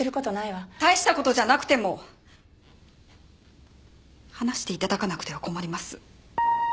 大した事じゃなくても話して頂かなくては困ります。